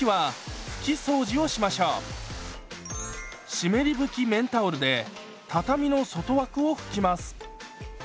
湿り拭き綿タオルで畳の外枠を拭きます。